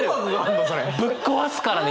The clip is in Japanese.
ぶっ壊すからね